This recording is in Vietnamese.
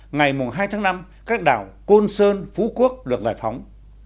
ngày hai tháng năm các đảo côn sơn phú quốc được giải phóng